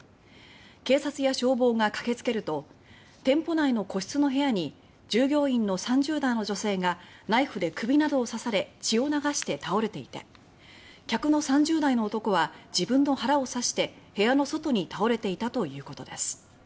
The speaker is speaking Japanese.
警察や消防が駆けつけると店舗内の個室の部屋に従業員の３０代の女性がナイフで首などを刺され血を流して倒れていて客の３０代の男は自分の腹を刺して部屋の外に倒れていたということです。